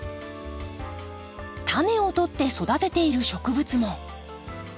タネをとって育てている植物も。